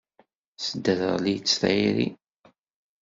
Tesderɣel-itt tayri.